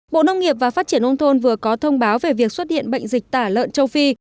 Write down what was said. bộ nông nghiệp và phát triển nông thôn vừa có thông báo về việc xuất hiện bệnh dịch tả lợn châu phi